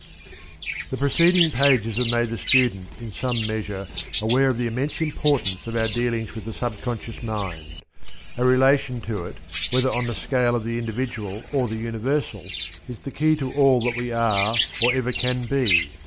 The preceding pages have made the student in some measure aware of the immense importance of our dealings with the sub conscious mind. Our relation to it, whether on the scale of the individual or the universal, is the key to all that we are or ever can be.